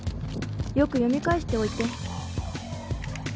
よく読み返しておいて。